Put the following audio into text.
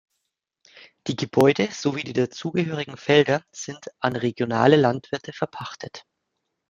Die Gebäude sowie die dazugehörigen Felder sind an regionale Landwirte verpachtet.